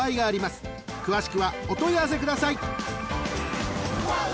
［詳しくはお問い合わせください］